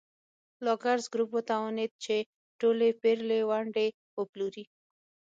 لاکزر ګروپ وتوانېد چې ټولې پېرلې ونډې وپلوري.